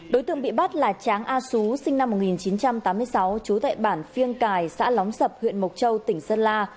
đối tượng bị bắt là tráng a xú sinh năm một nghìn chín trăm tám mươi sáu trú tại bản phiêng cài xã lóng sập huyện mộc châu tỉnh sơn la